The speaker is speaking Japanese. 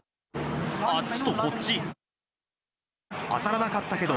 あっちとこっち。